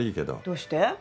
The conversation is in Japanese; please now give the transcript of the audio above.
どうして？